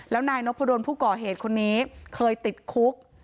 แล้วนายนพดลผู้ก่อเหตุคนนี้เคยติดคุก